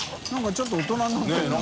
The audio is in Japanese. ちょっと大人になったよな。